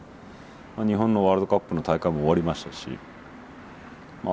まあ日本のワールドカップの大会も終わりましたしまあ